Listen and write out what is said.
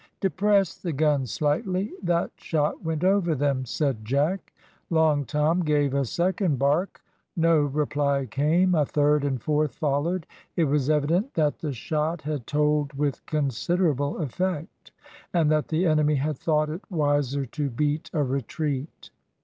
"Depress the gun slightly; that shot went over them," said Jack. Long Tom gave a second bark; no reply came; a third and fourth followed. It was evident that the shot had told with considerable effect, and that the enemy had thought it wiser to beat a retreat.